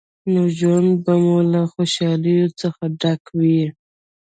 نو ژوند به مو له خوشحالیو څخه ډک وي.